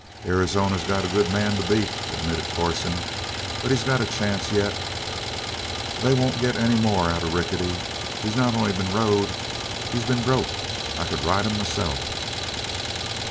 "Arizona's got a good man to beat," admitted Corson, "but he's got a chance yet. They won't get any more out of Rickety. He's not only been rode he's been broke. I could ride him myself."